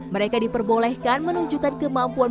mereka diperbolehkan menunjukkan ke tempat mereka berada